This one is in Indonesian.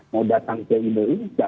mau datang ke indonesia